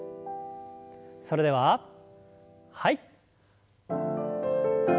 それでははい。